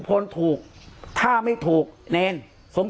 การแก้เคล็ดบางอย่างแค่นั้นเอง